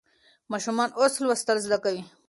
ماشومان اوس لوستل زده کوي.